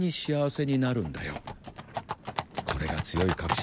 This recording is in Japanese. これが強い確信